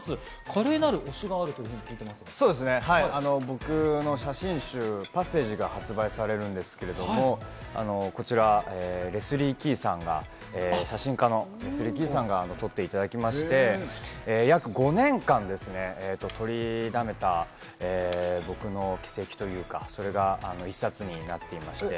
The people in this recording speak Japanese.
華麗なはい、僕の写真集『ＰＡＳＳＡＧＥ』が発売されるんですけど、こちらレスリー・キーさんが写真家のレスリー・キーさんに撮っていただきまして、約５年間ですね、撮りだめた、僕の軌跡というか、それが１冊になっていまして。